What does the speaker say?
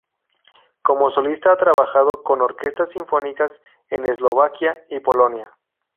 Como solista ha trabajado con orquestas sinfónicas en Eslovaquia y Polonia.